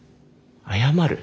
謝る？